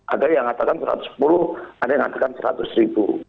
ada yang mengatakan rp satu ratus sepuluh ada yang mengatakan rp seratus